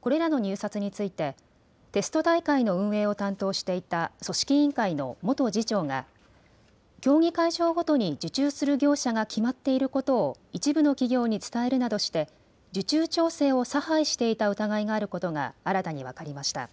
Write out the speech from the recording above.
これらの入札についてテスト大会の運営を担当していた組織委員会の元次長が競技会場ごとに受注する業者が決まっていることを一部の企業に伝えるなどして受注調整を差配していた疑いがあることが新たに分かりました。